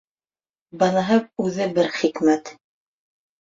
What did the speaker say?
Быныһы үҙе бер хикмәт!